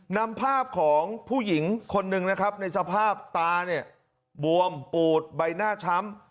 นำภาพของผู้หญิงคนหนึ่งนะครับในสภาพตาเนี่ยบวมปูดใบหน้าช้ำ